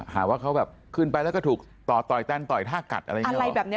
หาว่าเขาแบบขึ้นไปแล้วก็ถูกต่อต่อยแตนต่อยท่ากัดอะไรแบบนี้